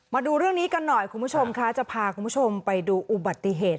มาดูเรื่องนี้กันหน่อยคุณผู้ชมค่ะจะพาคุณผู้ชมไปดูอุบัติเหตุ